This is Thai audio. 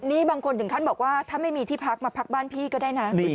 นี่บางคนถึงขั้นบอกว่าถ้าไม่มีที่พักมาพักบ้านพี่ก็ได้นะ